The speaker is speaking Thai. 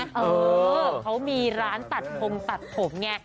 เออเขามีร้านตัดพงตัดผมไง